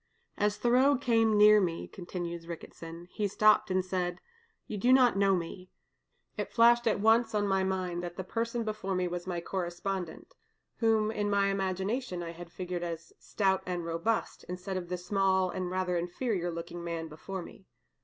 "As Thoreau came near me," continues Mr. Ricketson, "he stopped and said, 'You do not know me.' It flashed at once on my mind that the person before me was my correspondent, whom in my imagination I had figured as stout and robust, instead of the small and rather inferior looking man before me.